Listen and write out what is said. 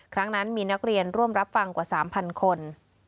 ครั้งนั้นมีนักเรียนร่วมรับฟังกว่า๓๐๐คน